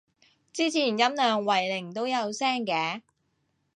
之前音量為零都有聲嘅